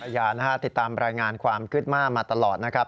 อรัยานะครับติดตามรายงานความขึ้นมามาตลอดนะครับ